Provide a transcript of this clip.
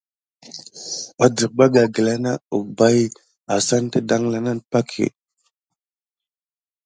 Adərbaga gəla na əbbaʼi assane də daŋla nane pakə.